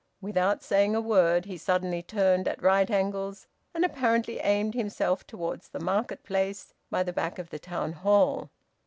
Without saying a word he suddenly turned at right angles and apparently aimed himself towards the market place, by the back of the Town Hall.